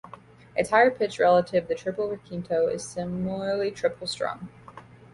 Its higher-pitched relative, the tiple requinto, is similarly triple-strung.